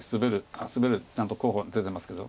あっスベるってちゃんと候補に出てますけど。